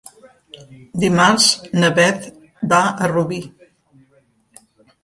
Dimarts na Beth va a Rubí.